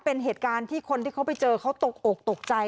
เป็นเหตุการณ์ที่คนที่เขาไปเจอเขาตกอกตกใจ